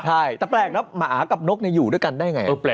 ใช่แต่แปลกนะหมากับนกอยู่ด้วยกันได้ไง